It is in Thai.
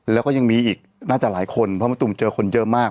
แล้วก็ยังมีอีกน่าจะหลายคนเพราะมะตูมเจอคนเยอะมาก